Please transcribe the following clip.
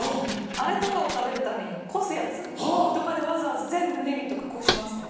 あれとかを食べるためにこすやつとかでわざわざ全部ネギとかこしますね。